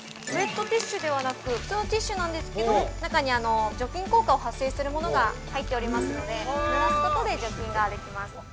ウエットティッシュではなく普通のティッシュなんですけど中に除菌効果を発生するものが入っておりますのでぬらすことで除菌ができます。